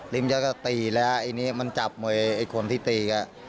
ริมเจ้าก็ตีแล้วไอเนี้ยมันจับไว้ไอคนที่ตีก็